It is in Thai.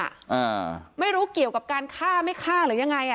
อ่าไม่รู้เกี่ยวกับการฆ่าไม่ฆ่าหรือยังไงอ่ะ